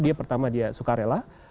dia pertama dia suka rela